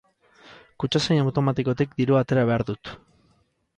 Kutxazain automatikotik dirua atera behar dut.